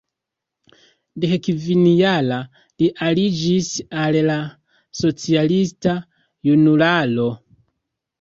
Dekkvin-jara, li aliĝis al la socialista Junularo.